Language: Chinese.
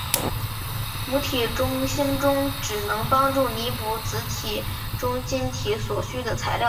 母体中心体只能帮助弥补子体中心体所需的材料。